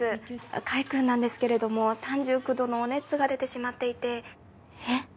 海くんなんですけれども３９度のお熱が☎出てしまっていてえっ？